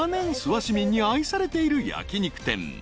諏訪市民に愛されている焼き肉店］